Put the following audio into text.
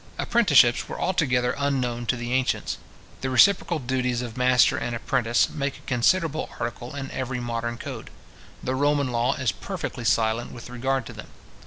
Apprenticeships were altogether unknown to the ancients. The reciprocal duties of master and apprentice make a considerable article in every modern code. The Roman law is perfectly silent with regard to them.